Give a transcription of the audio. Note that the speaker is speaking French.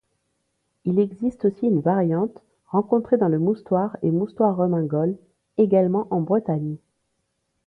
Il existe aussi une variante rencontrée dans le Moustoir et Moustoir-Remungol, également en Bretagne.